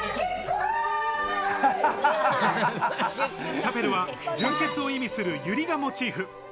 チャペルは純潔を意味するユリがモチーフ。